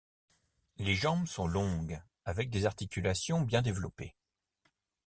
Les jambes sont longues, avec des articulations bien développées.